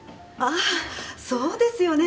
あーそうですよね。